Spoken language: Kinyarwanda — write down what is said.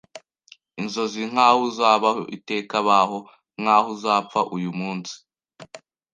Inzozi nkaho uzabaho iteka. Baho nkaho uzapfa uyu munsi.